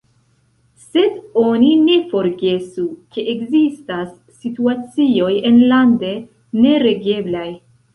Sed oni ne forgesu, ke ekzistas situacioj enlande neregeblaj.